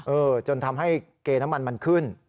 จนทำให้เกน้ำมันมันขึ้น